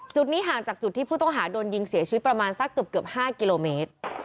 จุดนี้ห่างจากจุดที่ผู้ต้องหาโดนยิงเสียชีวิตประมาณสักเกือบ๕กิโลเมตร